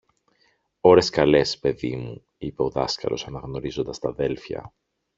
Ώρες καλές, παιδί μου, είπε ο δάσκαλος αναγνωρίζοντας τ' αδέλφια.